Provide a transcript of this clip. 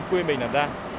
quyên bình làm ra